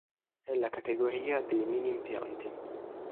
È la categoria dei mini-impianti.